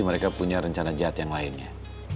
mereka punya rencana jahat yang lainnya